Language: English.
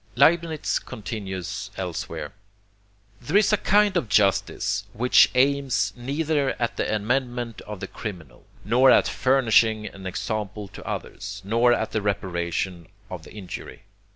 Leibnitz continues elsewhere: "There is a kind of justice which aims neither at the amendment of the criminal, nor at furnishing an example to others, nor at the reparation of the injury.